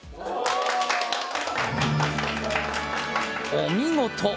お見事！